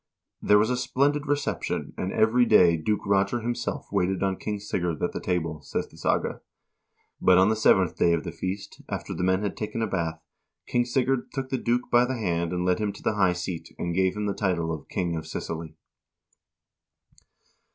"There was a splendid reception, and every day Duke Roger himself waited on King Sigurd at the table," says the saga. " But on the seventh day of the feast, after the men had taken a bath, King Sigurd took the duke by the hand and led him to the high seat and gave him the title of 'King of Sicily.'"